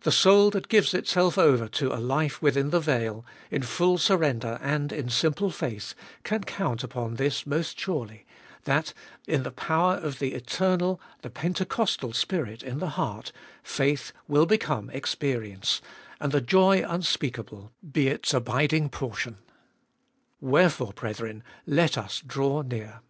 The soul that gives itself over to a life within the veil, in full surrender and in simple faith, can count upon this most surely, that, in the power of the eternal, the Pentecostal Spirit in the heart, faith will become experience, and the joy unspeakable be its abiding portion — Wherefore, brethren, let us draw near.